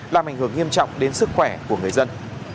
làm ảnh hưởng nghiêm trọng đến sức khỏe của người dân